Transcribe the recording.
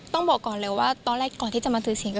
ต้องบอกก่อนเลยว่าตอนแรกก่อนที่จะมาถือศิลป